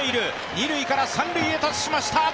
二塁から三塁に達しました！